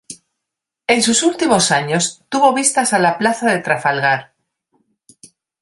En sus últimos años tuvo vistas a la Plaza de Trafalgar.